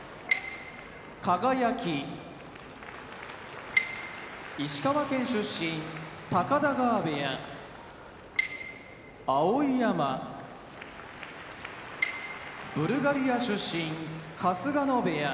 輝石川県出身高田川部屋碧山ブルガリア出身春日野部屋